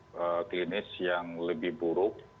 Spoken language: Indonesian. klinis yang lebih buruk